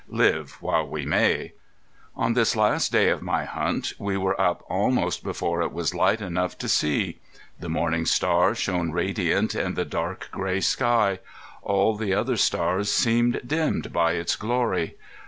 Live while we may! On this last day of my hunt we were up almost before it was light enough to see. The morning star shone radiant in the dark gray sky. All the other stars seemed dimmed by its glory.